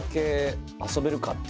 「遊べるか」？